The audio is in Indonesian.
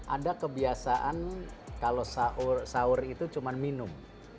ada kebiasaan kalau sahur itu cuma minum